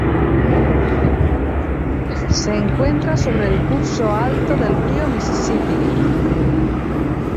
Se encuentra sobre el curso alto del río Misisipi.